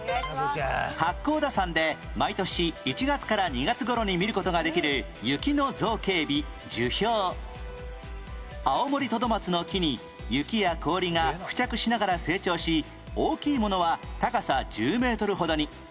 八甲田山で毎年１月から２月頃に見る事ができるアオモリトドマツの木に雪や氷が付着しながら成長し大きいものは高さ１０メートルほどに